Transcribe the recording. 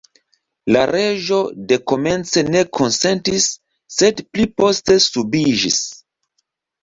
La reĝo dekomence ne konsentis, sed pli poste subiĝis.